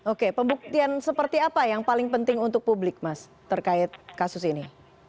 oke pembuktian seperti apa yang paling penting untuk publik mas terkait kasus ini